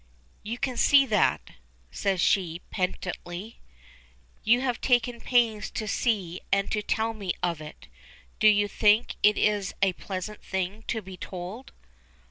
"You can see that," says she, petulantly. "You have taken pains to see and to tell me of it. Do you think it is a pleasant thing to be told?